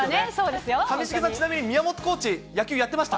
上重さん、ちなみに、宮本コーチ、野球やってました。